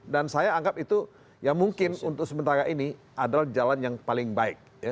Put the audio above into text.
dan saya anggap itu yang mungkin untuk sementara ini adalah jalan yang paling baik